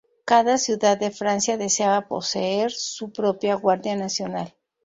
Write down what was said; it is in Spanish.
Cada ciudad de Francia deseaba poseer su propia Guardia Nacional.